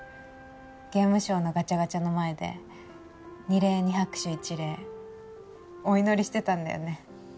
ゲームショーのガチャガチャの前で二礼二拍手一礼お祈りしてたんだよね